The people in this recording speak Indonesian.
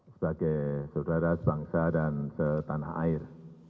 sebagai saudara sebangsa dan setanah air